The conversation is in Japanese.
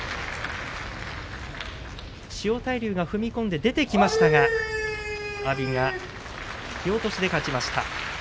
千代大龍が踏み込んで出ていきましたが阿炎が突き落としで勝ちました。